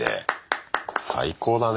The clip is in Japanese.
最高だね。